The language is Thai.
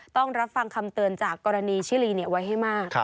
ต้องรับฟังคำเตือนจากกรณีชิลีไว้ให้มาก